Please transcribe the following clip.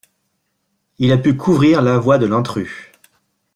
Il a pu couvrir la voix de l'intrus.